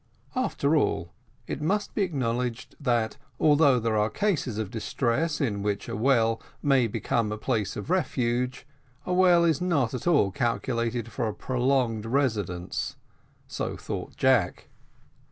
After all, it must be acknowledged that although there are cases of distress in which a well may become a place of refuge, a well is not at all calculated for a prolonged residence so thought Jack.